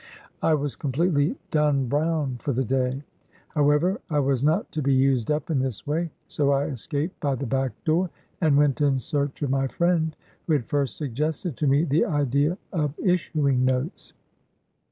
I was completely 'done Brown' 1 for the day. How ever, I was not to be 'used up' in this way; so I escaped by the back door, and went in search of my friend who had first suggested to me the idea of issu ing notes.